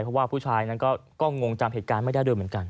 เพราะว่าผู้ชายนั้นก็งงจำเหตุการณ์ไม่ได้ด้วยเหมือนกัน